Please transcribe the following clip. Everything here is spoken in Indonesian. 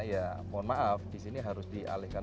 ya mohon maaf di sini harus dialihkan